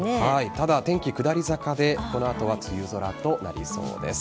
ただ、天気下り坂でこの後は梅雨空となりそうです。